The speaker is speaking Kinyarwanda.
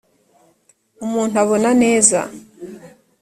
umuntu abona neza.